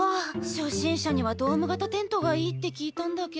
初心者にはドーム型テントがいいって聞いたんだけど。